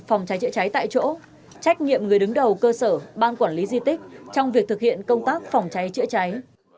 phòng cháy chữa cháy tại chỗ trách nhiệm người đứng đầu cơ sở ban quản lý di tích trong việc thực hiện công tác phòng cháy chữa cháy